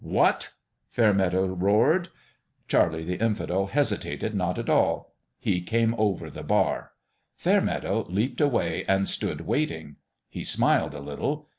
" What!" Fairmeadow roared. Charlie the Infidel hesitated not at all. He came over the bar. Fairmeadow leaped away and stood waiting. He smiled a little.